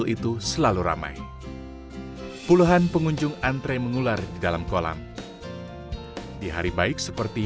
itu selalu ramai puluhan pengunjung antre mengular di dalam kolam di hari baik seperti